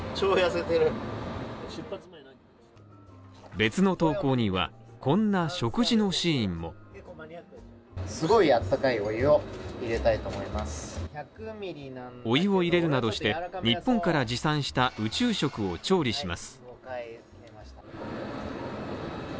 別の投稿には、こんな食事のシーンもお湯を入れるなどして、日本から持参した宇宙食を調理します